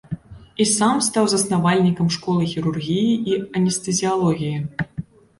І сам стаў заснавальнікам школы хірургіі і анестэзіялогіі.